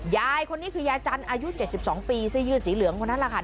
ยายคนนี้คือยายจันทร์อายุ๗๒ปีเสื้อยืดสีเหลืองคนนั้นแหละค่ะ